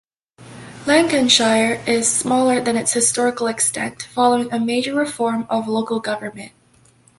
Lancashire is smaller than its historical extent following a major reform of local government.